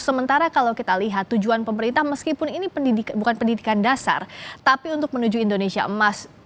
sementara kalau kita lihat tujuan pemerintah meskipun ini bukan pendidikan dasar tapi untuk menuju indonesia emas